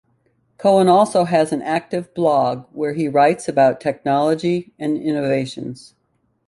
Cohen also has an active blog where he writes about technology and innovations.